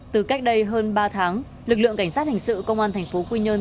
từ cách đây hơn ba tháng lực lượng cảnh sát hành sự công an tp quy nhơn